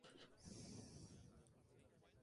¿habían bebido?